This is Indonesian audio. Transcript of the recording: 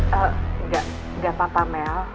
gak gak apa apa mel